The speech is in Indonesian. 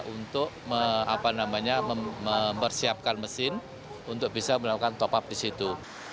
untuk mempersiapkan mesin untuk bisa melakukan top up di situ